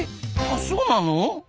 あそうなの？